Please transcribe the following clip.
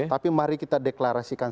tapi mari kita deklarasikan